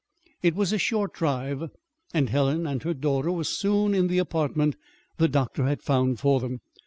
It was a short drive, and Helen and her daughter were soon in the apartment the doctor had found for them.